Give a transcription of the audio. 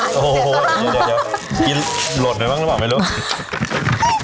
โอ้โหเดี๋ยวเดี๋ยวเดี๋ยวกินหลดหน่อยบ้างหรือเปล่าไม่รู้